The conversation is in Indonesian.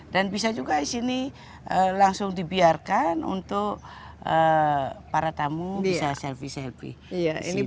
dan bisa juga di sini langsung dibiarkan untuk para tamu bisa selfie selfie